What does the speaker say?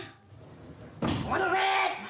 「お待たせ」